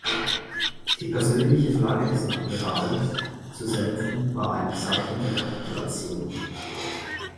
Die persönliche Flagge des Admirals zu senken, war ein Zeichen der Kapitulation.